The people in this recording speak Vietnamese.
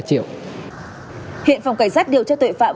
hiện phòng cảnh sát điều tra tội phạm